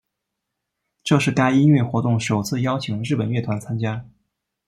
这是该音乐活动首次邀请日本乐团参加。